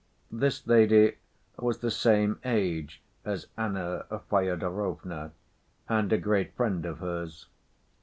This lady was the same age as Anna Fyodorovna, and a great friend of hers.